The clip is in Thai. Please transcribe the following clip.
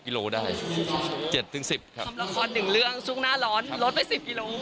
คำละครหนึ่งเรื่องซุ้งหน้าร้อนลดไป๑๐กิโล